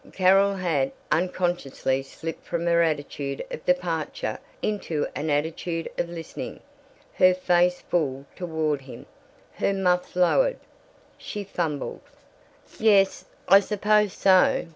Carol had unconsciously slipped from her attitude of departure into an attitude of listening, her face full toward him, her muff lowered. She fumbled: "Yes, I suppose so."